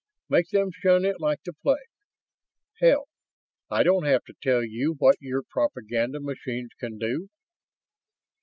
Make them shun it like the plague. Hell, I don't have to tell you what your propaganda machines can do."